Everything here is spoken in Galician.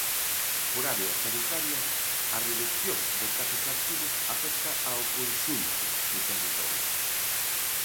Por áreas sanitarias, a redución de casos activos afecta ao conxunto do territorio.